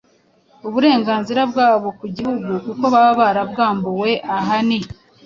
uburenganzira bwabo ku gihugu kuko baba barabwambuwe. Aha ni